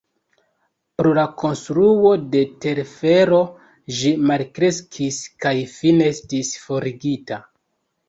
Pro la konstruo de telfero ĝi malkreskis kaj fine estis forigita.